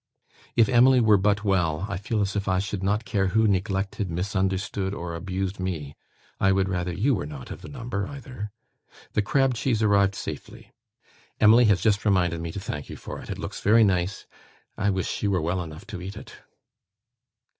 If Emily were but well, I feel as if I should not care who neglected, misunderstood, or abused me. I would rather you were not of the number either. The crab cheese arrived safely. Emily has just reminded me to thank you for it: it looks very nice. I wish she were well enough to eat it."